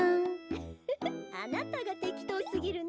ウッフフあなたがてきとうすぎるの。